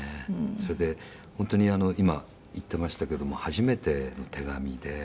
それで、本当に今、言ってましたけども初めての手紙で。